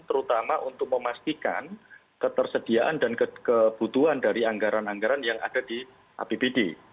terutama untuk memastikan ketersediaan dan kebutuhan dari anggaran anggaran yang ada di apbd